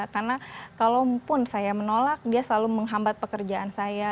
karena kalaupun saya menolak dia selalu menghambat pekerjaan saya